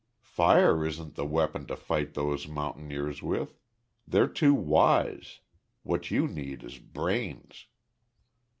Fire isn't the weapon to fight those mountaineers with. They're too wise. What you need is brains."